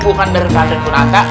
bukan berpikir pikir punata